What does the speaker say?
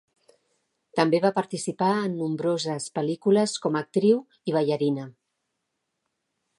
També va participar en nombroses pel·lícules com a actriu i ballarina.